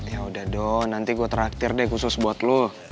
ya udah dong nanti gue traktir deh khusus buat lo